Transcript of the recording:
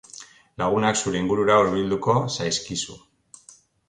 Lagunak zure ingurura hurbilduko zaizkizu.